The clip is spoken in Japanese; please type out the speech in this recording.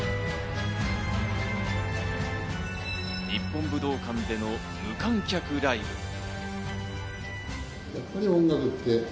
日本武道館での無観客ライブ。